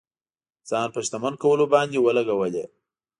ځان په شتمن کولو باندې ولګولې.